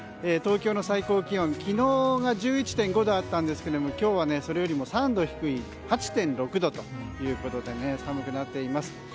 東京の最高気温昨日が１１．５度あったんですが今日はそれよりも３度低い８．６度ということで寒くなっています。